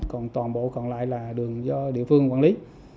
còn toàn bộ còn lại là đường do địa phương quản lý